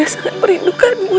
aku sangat menyis perdebakanmu